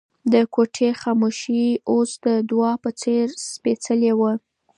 د کوټې خاموشي اوس د دعا په څېر سپېڅلې وه.